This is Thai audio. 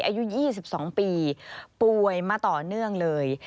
อายุ๒๒ปีป่วยมาต่อเนื่องเลย